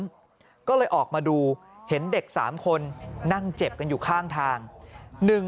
ก็เลยออกมาดูเห็นเด็ก๓คนนั่งเจ็บกันอยู่ข้างทาง